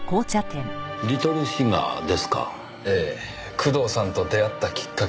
工藤さんと出会ったきっかけです。